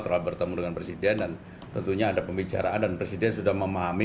telah bertemu dengan presiden dan tentunya ada pembicaraan dan presiden sudah memahami